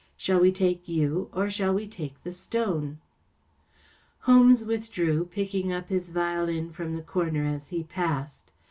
Shall we take you, or shall we have the stone ?" Holmes withdrew, picking up his violin from the comer as he passed.